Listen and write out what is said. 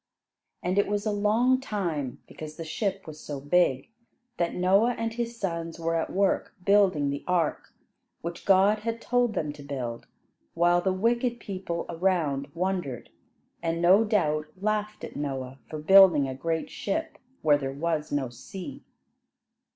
And it was a long time, because this ship was so big, that Noah and his sons were at work building the ark, which God had told them to build, while the wicked people around wondered, and no doubt laughed at Noah for building a great ship where there was no sea.